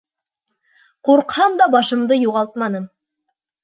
Ҡурҡһам да, башымды юғалтманым.